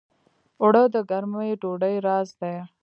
اوړه د ګرمې ډوډۍ راز دي